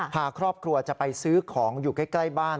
พาครอบครัวจะไปซื้อของอยู่ใกล้บ้าน